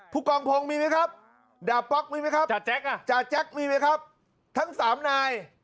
ภูกองพงมีไหมครับดาบป๊อกมีไหมครับจาแจ๊กมีไหมครับทั้งสามนาย